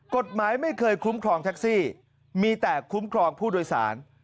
กฎหมายไม่เคยคุ้มครองแท็กซี่มีแต่คุ้มครองผู้โดยสาร